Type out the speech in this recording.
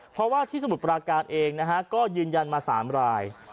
เพราะว่าที่สมุทรปราการเองนะฮะก็ยืนยันมา๓ราย